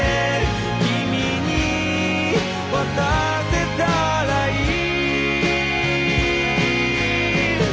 「君に渡せたらいい」